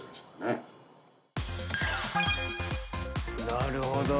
なるほど。